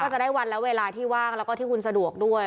จะได้วันและเวลาที่ว่างแล้วก็ที่คุณสะดวกด้วย